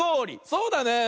そうだね。